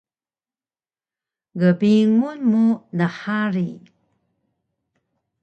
Gbingun mu nhari!